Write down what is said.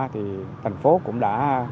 thì thành phố cũng đã